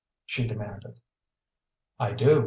she demanded. "I do.